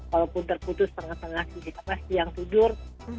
walaupun terputus tengah tengah siang tidur